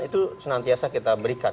itu senantiasa kita berikan